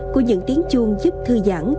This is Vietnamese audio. của những tiếng chuông giúp thư giãn